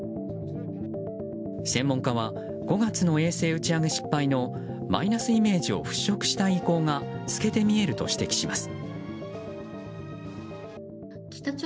専門家は５月の衛星打ち上げ失敗のマイナスイメージを払拭したい意向が透けて見えると指摘します。